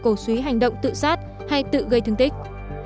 cổ suý hành động tự sát hay tự gây thương tích